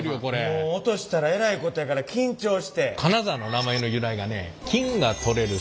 もう落としたらえらいことやから緊張して。